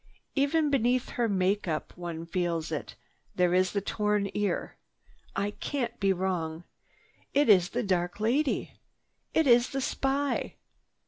Even beneath her make up one feels it. There is the torn ear. I can't be wrong. It is the dark lady! It is the spy!"